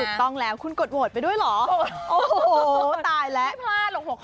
ถูกต้องแล้วคุณกดโหวตไปด้วยเหรอโอ้โหตายแล้ว